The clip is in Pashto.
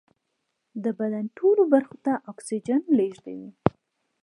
د بدن ټولو برخو ته اکسیجن لېږدوي